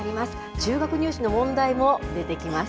中学入試の問題も出てきます。